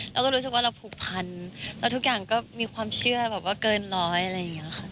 เราก็รู้สึกว่าเราผูกพันแล้วทุกอย่างก็มีความเชื่อแบบว่าเกินร้อยอะไรอย่างนี้ค่ะ